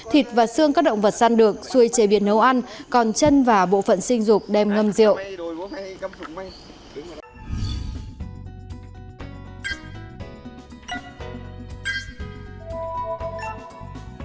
thịt và xương các động vật săn được xuôi chế biến nấu ăn còn chân và bộ phận sinh dục đem ngâm rượu